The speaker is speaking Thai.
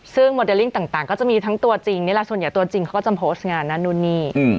ซึ่งโมเดลลิ่งต่างก็จะมีทั้งตัวจริงนี่แหละส่วนใหญ่ตัวจริงเขาก็จะโพสต์งานนั่นนู่นนี่